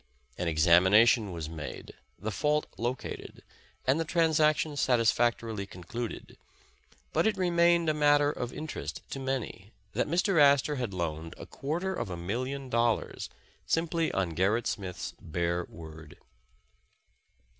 An examination was made, the fault located, and the transaction satis factorily concluded, but it remained a matter of inter est to many that Mr. Astor had loaned a quarter of a million dollars, simply on Gerrit Smith's bare word.